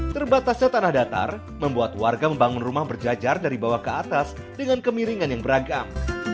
terbatasnya tanah datar membuat warga membangun rumah berjajar dari bawah ke atas dengan kemiringan yang beragam